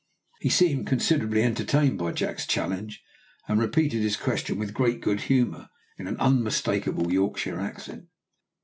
He seemed considerably entertained by Jack's challenge, and repeated his question with great good humour, in an unmistakable Yorkshire accent.